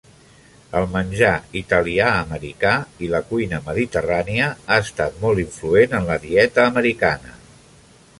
El menjar italià-americà i la cuina mediterrània ha estat molt influent en la dieta americana.